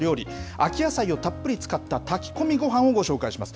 秋野菜をたっぷり使った炊き込みごはんをご紹介します。